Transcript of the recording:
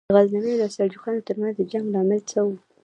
د غزنویانو او سلجوقیانو تر منځ د جنګ لامل څه و؟